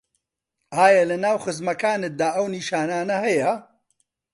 ئایا لەناو خزمەکانتدا ئەو نیشانانه هەیە